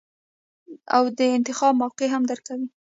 او د انتخاب موقع هم درکوي -